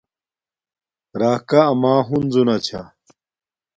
راکا اما ہنزو نا چھا